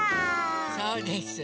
そうです。